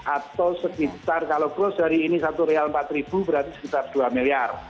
atau sekitar kalau growth dari ini satu real empat ribu berarti sekitar dua miliar